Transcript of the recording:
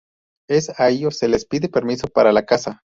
Es a ellos se les pide permiso para la caza.